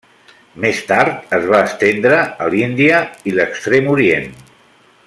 Més tard, es va estendre a l'Índia i l'Extrem Orient.